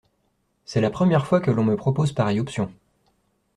C’est la première fois que l’on me propose pareille option.